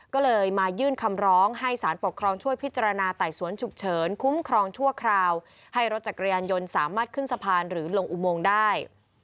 ก็เลยมายื่นคำร้องให้สารปกครองช่วยพิจารณาไต่สวนฉุกเฉินคุ้มครองชั่วคราวให้รถจักรยานยนต์สามารถขึ้นสะพานหรือลงอุโมงได้